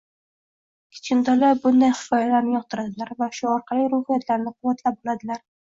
Kichkintoylar bunday hikoyalarni yoqtiradilar va shu orqali ruhiyatlarini quvvatlab oladilar.